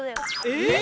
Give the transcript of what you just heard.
えっ！